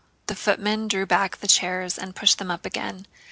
The footmen drew back the chairs and pushed them up again.